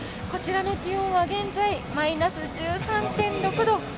こちらの気温は現在マイナス１３．６度。